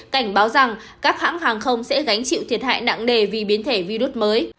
cảnh báo rằng các hãng hàng không sẽ gánh chịu thiệt hại nặng nề vì biến thể virus mới